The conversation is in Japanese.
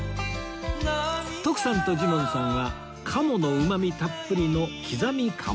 徳さんとジモンさんは鴨のうまみたっぷりの